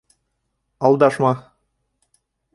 — Алдашма!